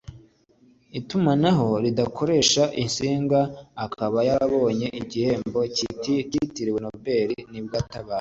itumanaho ridakoresha intsinga akaba yarabonye igihembo cyitiriwe Nobel nibwo yatabarutse